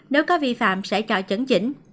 nếu có vi phạm sẽ cho chấn chỉnh